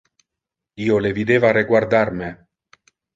Io le videva reguardar me.